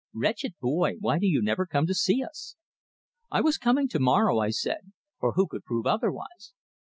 "Wretched boy, why do you never come to see us?" "I was coming to morrow," I said for who could prove otherwise?